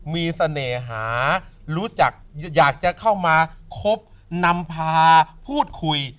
มีเสน่หารู้จักอยากจะเข้ามาคบนำพาพูดคุย